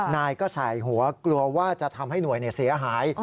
นายก็ใส่หัวกลัวว่าจะทำให้หน่วยเสียหาย